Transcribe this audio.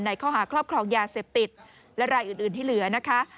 ข้อหาครอบครองยาเสพติดและรายอื่นที่เหลือนะคะ